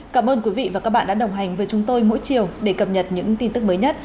cảm ơn quý vị và các bạn đã đồng hành với chúng tôi mỗi chiều để cập nhật những tin tức mới nhất